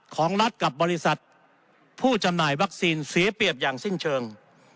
ของรัฐกับบริษัทผู้จำหน่ายวัคซีนเสียเปรียบอย่างสิ้นเชิง